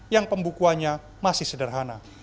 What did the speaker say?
yang pembukuannya masih sederhana